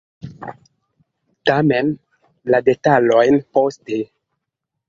Tamen, la detalojn poste.